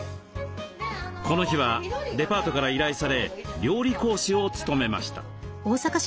この日はデパートから依頼され料理講師を務めました。